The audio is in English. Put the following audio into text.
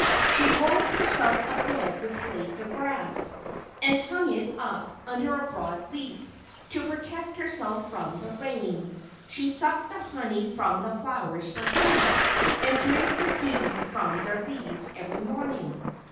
She wove herself a bed with blades of grass, and hung it up under a broad leaf, to protect herself from the rain. She sucked the honey from the flowers for food, and drank the dew from their leaves every morning.